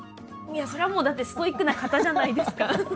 いやそりゃもうだってストイックな方じゃないですか。